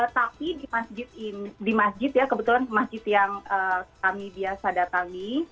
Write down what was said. tapi di masjid ya kebetulan masjid yang kami biasa datangi